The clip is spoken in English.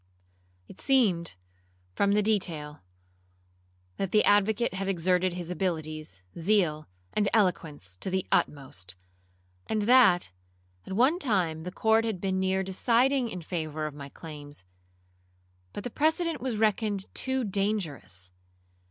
It seemed, from the detail, that the advocate had exerted his abilities, zeal, and eloquence to the utmost; and that, at one time, the court had been near deciding in favour of my claims, but the precedent was reckoned too dangerous.